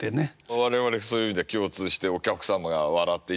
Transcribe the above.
我々そういう意味では共通してお客様が笑っていただくことがね